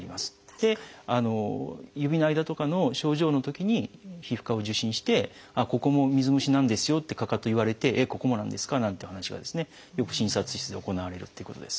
指の間とかの症状のときに皮膚科を受診して「ここも水虫なんですよ」ってかかと言われて「えっ？ここもなんですか？」なんていう話はよく診察室で行われるっていうことです。